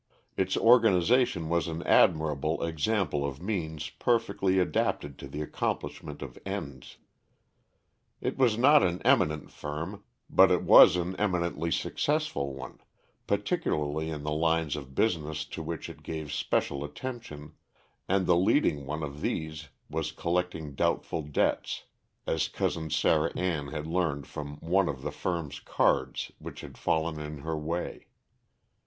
Its organization was an admirable example of means perfectly adapted to the accomplishment of ends. It was not an eminent firm but it was an eminently successful one, particularly in the lines of business to which it gave special attention, and the leading one of these was collecting doubtful debts, as Cousin Sarah Ann had learned from one of the firm's cards which had fallen in her way.